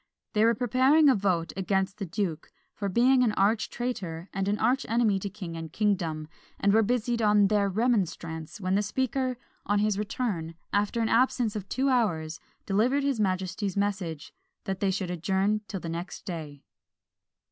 They were preparing a vote against the duke, for being an arch traitor and arch enemy to king and kingdom, and were busied on their "Remonstrance," when the Speaker, on his return, after an absence of two hours, delivered his majesty's message, that they should adjourn till the next day.